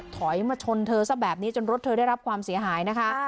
ถอยมาชนเธอซะแบบนี้จนรถเธอได้รับความเสียหายนะคะ